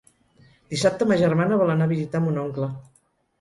Dissabte ma germana vol anar a visitar mon oncle.